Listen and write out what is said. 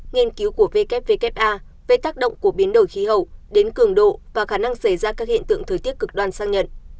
nghiên cứu của ww về tác động của biến đổi khí hậu đến cường độ và khả năng xảy ra các hiện tượng thời tiết cực đoan sang nhận